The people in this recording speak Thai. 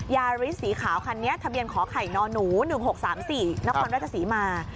ยาริสสีขาวคันนี้ทะเบียนขอไข่นหนู๑๖๓๔นครราชศรีมา